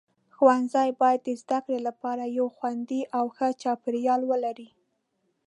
ښوونځي باید د زده کړې لپاره یو خوندي او ښه چاپیریال ولري.